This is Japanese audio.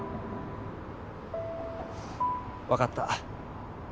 わかった。